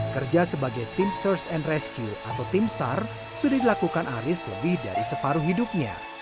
kerja sebagai tim search and rescue atau tim sar sudah dilakukan aris lebih dari separuh hidupnya